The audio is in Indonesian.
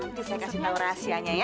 nanti saya kasih tahu rahasianya ya